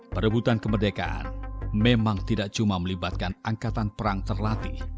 perebutan kemerdekaan memang tidak cuma melibatkan angkatan perang terlatih